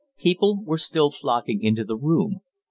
People were still flocking into the room.